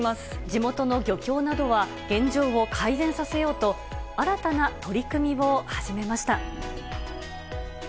地元の漁協などは、現状を改善させようと、新たな取り組みを始めました。